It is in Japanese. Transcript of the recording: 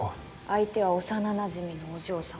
相手は幼なじみのお嬢様。